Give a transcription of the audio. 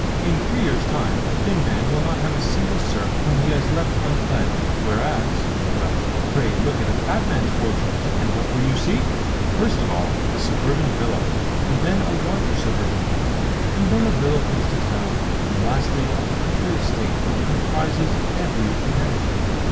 In three years' time a thin man will not have a single serf whom he has left unpledged; whereas well, pray look at a fat man's fortunes, and what will you see? First of all a suburban villa, and then a larger suburban villa, and then a villa close to a town, and lastly a country estate which comprises every amenity!